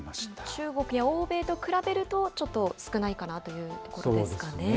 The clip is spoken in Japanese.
中国や欧米と比べると、ちょっと少ないかなというところですそうですね。